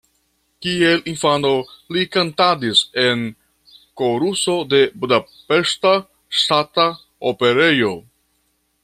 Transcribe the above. Kiel infano, li kantadis en koruso de Budapeŝta Ŝtata Operejo.